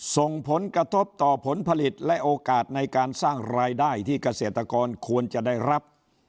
ส่งผลกระทบต่อผลผลิตและโอกาสในการสร้างรายได้ที่เกษตรกรควรจะได้รับ